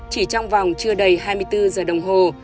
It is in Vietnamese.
chỉ trong vòng chưa đầy hai mươi bốn giờ đồng hồ